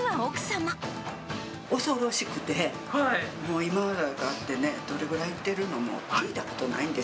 恐ろしくて、もう今までなんかね、どれぐらいいってるのか聞いたことないんで